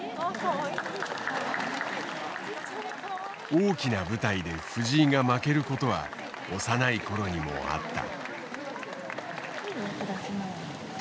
大きな舞台で藤井が負けることは幼いころにもあった。